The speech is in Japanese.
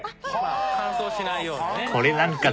乾燥しないようにね。